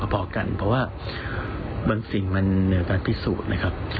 พอกันเพราะว่าบางสิ่งมันเหนือการพิสูจน์นะครับ